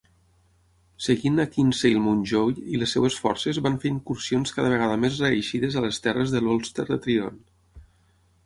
Seguint a Kinsale Mountjoy i les seves forces van fer incursions cada vegada més reeixides a les terres de l'Ulster de Tyrone.